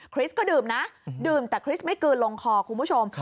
ริสก็ดื่มนะดื่มแต่คริสต์ไม่กลืนลงคอคุณผู้ชม